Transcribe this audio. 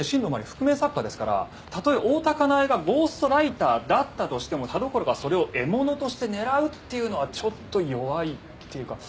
覆面作家ですからたとえ大多香苗がゴーストライターだったとしても田所がそれを獲物として狙うっていうのはちょっと弱いっていうか。